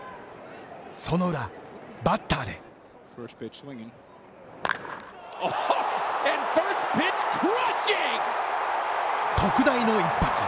その裏、バッターで特大の一発。